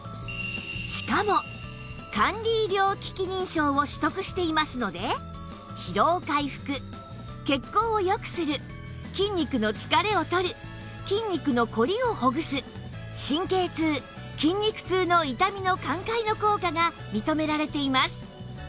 しかも管理医療機器認証を取得していますので疲労回復血行をよくする筋肉の疲れをとる筋肉のコリをほぐす神経痛筋肉痛の痛みの緩解の効果が認められています